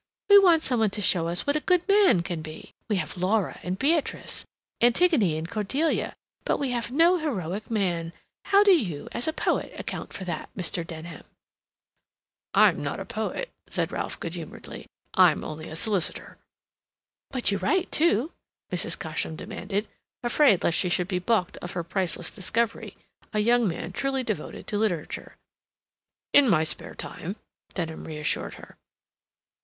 We want some one to show us what a good man can be. We have Laura and Beatrice, Antigone and Cordelia, but we have no heroic man. How do you, as a poet, account for that, Mr. Denham?" "I'm not a poet," said Ralph good humoredly. "I'm only a solicitor." "But you write, too?" Mrs. Cosham demanded, afraid lest she should be balked of her priceless discovery, a young man truly devoted to literature. "In my spare time," Denham reassured her.